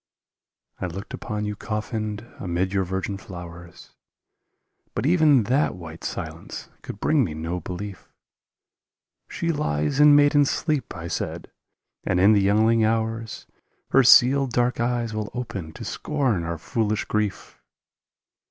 I looked upon you coffined amid your virgin flowers, But even that white silence could bring me no belief : "She lies in maiden sleep," I said, "and in the young ling hours Her sealed dark eyes will open to scorn our foolish grief."